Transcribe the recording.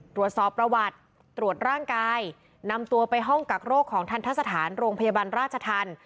ตรวจสอบประวัติตรวจร่างกายนำตัวไปห้องกักโรคของทันทะสถานโรงพยาบาลราชธรรม